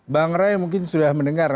bang ray mungkin sudah mendengar